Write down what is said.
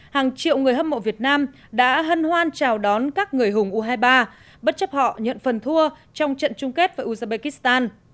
hàng triệu người hâm mộ việt nam đã hân hoan chào đón các người hùng u hai mươi ba bất chấp họ nhận phần thua trong trận chung kết với uzbekistan